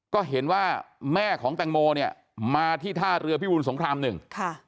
ก็เห็นว่าแม่ของแตงโมเนี่ยมาที่ท่าเรือพิบูลสงครามหนึ่งค่ะ